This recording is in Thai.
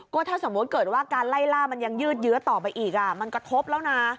ก็ถ้าสมมุติเกิดว่าการไล่ล่ามันยังยืดเยื้อต่อไปอีกมันกระทบแล้วนะ